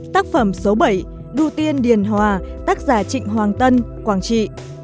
tác phẩm số bảy đu tiên điền hòa tác giả trịnh hoàng tân quảng trị